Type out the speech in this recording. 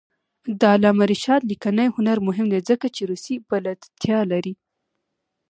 د علامه رشاد لیکنی هنر مهم دی ځکه چې روسي بلدتیا لري.